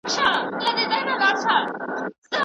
که حدیث ولولو نو سنت نه پاتې کیږي.